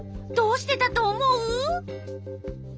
どうしてだと思う？